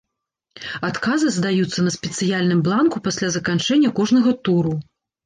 Адказы здаюцца на спецыяльным бланку пасля заканчэння кожнага туру.